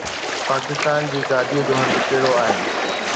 پاڪستان جي گاديءَ جو هنڌ ڪهڙو آهي؟